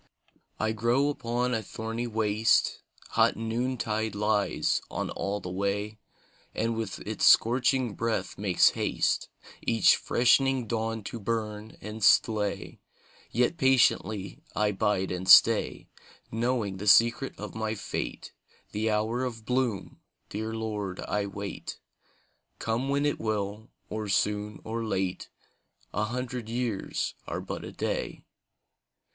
I grow upon a thorny waste; Hot noontide lies on all the way, And with its scorching breath makes haste Each freshening dawn to burn and slay, Yet patiently I bide and stay: Knowing the secret of my fate, The hour of bloom, dear Lord, I wait, Come when it will, or soon or late, A hundred years are but a day.